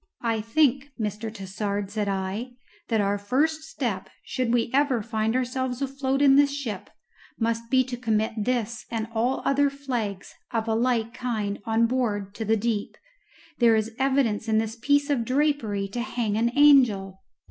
"I think, Mr. Tassard," said I, "that our first step, should we ever find ourselves afloat in this ship, must be to commit this and all other flags of a like kind on board to the deep. There is evidence in this piece of drapery to hang an angel."